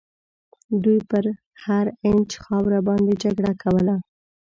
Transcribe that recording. دوی پر هر اینچ خاوره باندي جګړه کوله.